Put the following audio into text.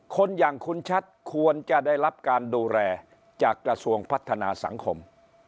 คนอย่างคุณชัดควรจะได้รับการดูแลจากกระทรวงพัฒนาสังคม